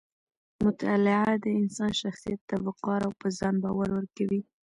مطالعه د انسان شخصیت ته وقار او په ځان باور ورکوي.